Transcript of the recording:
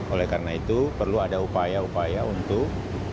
oleh karena itu perlu ada upaya upaya untuk